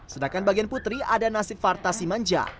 sedangkan bagian putri ada nasib farta simanja